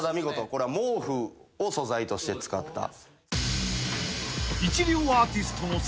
これは毛布を素材として使った。